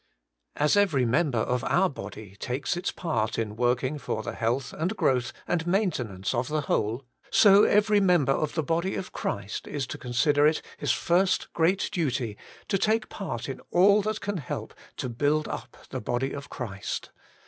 As every member of our body takes its part in working for the health and growth and maintenance of the whole, so every member of the body of Christ is to consider it his first great duty to take part in all that can help to build up the body of Christ.